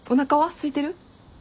すいてる？